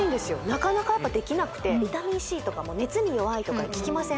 なかなかやっぱできなくてビタミンＣとかも熱に弱いとか聞きません？